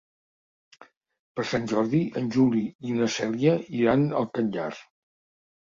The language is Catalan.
Per Sant Jordi en Juli i na Cèlia iran al Catllar.